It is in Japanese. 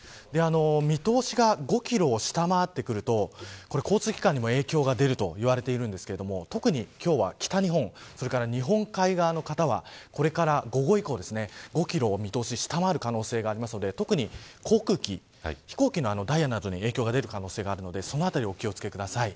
見通しが５キロを下回ってくると交通機関にも影響が出ると言われているんですけど特に今日は、北日本日本海側の方はこれから午後以降、５キロの見通しを下回る可能性があるので特に航空機、飛行機のダイヤなどに影響が出る可能性があるのでそのあたりお気を付けください。